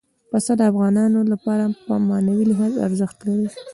پسه د افغانانو لپاره په معنوي لحاظ ارزښت لري.